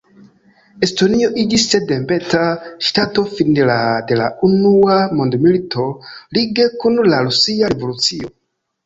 Estonio iĝis sendependa ŝtato fine de la unua mondmilito, lige kun la Rusia revolucio.